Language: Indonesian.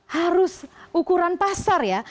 harus ukuran pasar ya